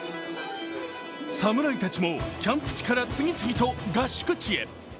侍たちもキャンプ地から次々と合宿地へ。